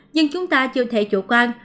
nhưng chúng ta chưa thể chủ quan